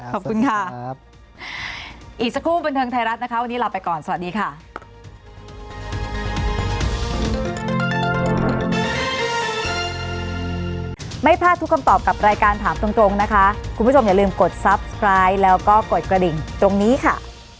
ขอบคุณค่ะอีกสักครู่บันเทิงไทยรัฐนะคะวันนี้ลาไปก่อนสวัสดีค่ะ